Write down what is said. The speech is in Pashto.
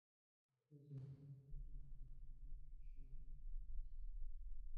که ښځه کار وکړي، نو مالي فشار کمېږي.